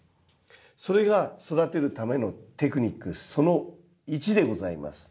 それが育てるためのテクニックその１でございます。